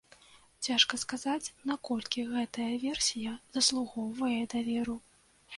Цяжка сказаць, наколькі гэтая версія заслугоўвае даверу.